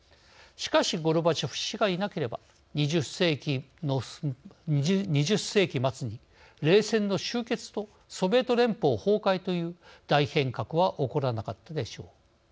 しかしゴルバチョフ氏がいなければ２０世紀末に冷戦の終結とソビエト連邦、崩壊という大変革は起こらなかったでしょう。